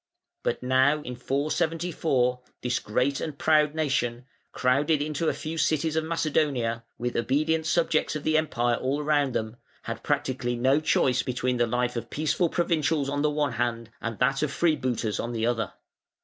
But now in 474 this great and proud nation, crowded into a few cities of Macedonia, with obedient subjects of the Empire all round them, had practically no choice between the life of peaceful provincials on the one hand and that of freebooters on the other.